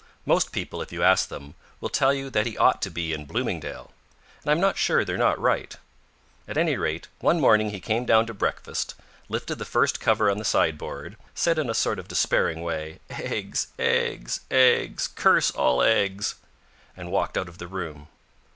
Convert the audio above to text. Most people, if you ask them, will tell you that he ought to be in Bloomingdale; and I'm not sure they're not right. At any rate, one morning he came down to breakfast, lifted the first cover on the sideboard, said in a sort of despairing way, "Eggs! Eggs! Eggs! Curse all eggs!" and walked out of the room.